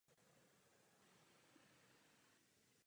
Jedná se o čtvrtý díl v sérii.